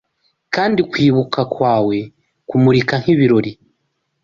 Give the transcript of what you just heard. Kandi kwibuka kwawe kumurika nkibirori